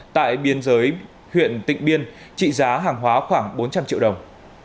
tại biên giới huyện tịnh biên trị giá hàng hóa khoảng bốn trăm linh triệu đồng